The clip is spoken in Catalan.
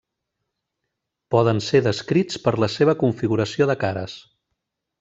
Poden ser descrits per la seva configuració de cares.